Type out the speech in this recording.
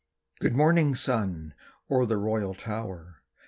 Good morning, sun, o'er the royal tower!